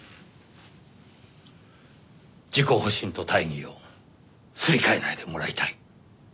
自己保身と大義をすり替えないでもらいたい。